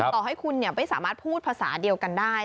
ต่อให้คุณไม่สามารถพูดภาษาเดียวกันได้